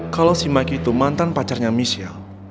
kalau si mike itu mantan pacarnya michelle